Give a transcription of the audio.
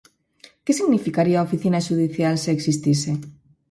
¿Que significaría a oficina xudicial se existise?